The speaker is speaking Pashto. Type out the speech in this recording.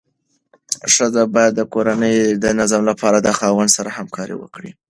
ښځه باید د کورني نظم لپاره د خاوند سره همکاري وکړي.